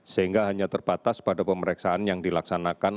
sehingga hanya terbatas pada pemeriksaan yang dilaksanakan